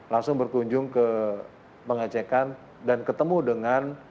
langsung berkunjung ke pengecekan dan ketemu dengan